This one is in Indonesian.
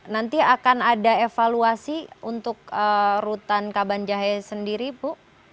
nanti akan ada evaluasi untuk rutan kabanjahe sendiri bu